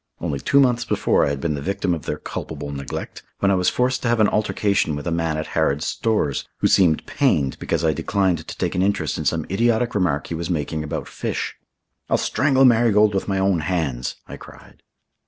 Only two months before I had been the victim of their culpable neglect, when I was forced to have an altercation with a man at Harrod's Stores, who seemed pained because I declined to take an interest in some idiotic remark he was making about fish. "I'll strangle Marigold with my own hands," I cried.